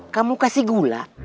kamu kasih gula